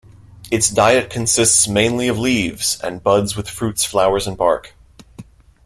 Its diet consists mainly of leaves and buds with fruits, flowers, and bark.